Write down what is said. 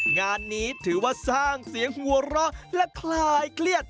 งานนี้ถือว่าสร้างเสียงหัวเราะและคลายเครียด